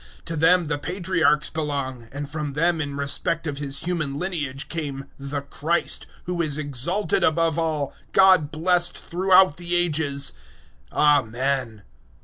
009:005 To them the Patriarchs belong, and from them in respect of His human lineage came the Christ, who is exalted above all, God blessed throughout the Ages. Amen.